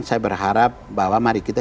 saya berharap bahwa mari kita